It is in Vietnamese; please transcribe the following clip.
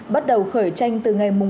bắt đầu khởi tranh từ ngày mùng một mươi